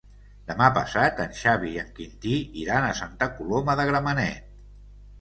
Demà passat en Xavi i en Quintí iran a Santa Coloma de Gramenet.